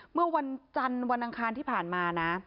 เมื่อวันจันทร์วันอังคารที่ผ่านมานะ